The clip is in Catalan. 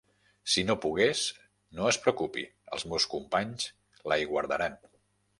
Si no pogués, no es preocupi, els meus companys la hi guardaran.